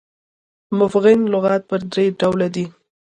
مفغن لغات پر درې ډوله دي.